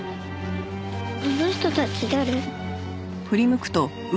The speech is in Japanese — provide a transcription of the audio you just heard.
あの人たち誰？